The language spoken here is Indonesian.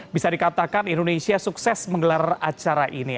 bisa dikatakan indonesia sukses menggelar acara ini